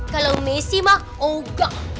kalau messi pak oh enggak